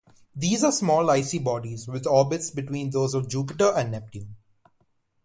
These are small icy bodies with orbits between those of Jupiter and Neptune.